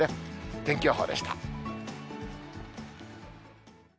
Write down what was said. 天気予報でした。